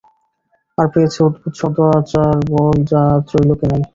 আর পেয়েছে অদ্ভুত সদাচারবল, যা ত্রৈলোক্যে নাই।